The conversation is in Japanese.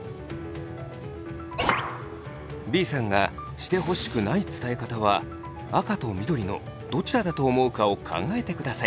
Ｂさんがしてほしくない伝え方は赤と緑のどちらだと思うかを考えてください。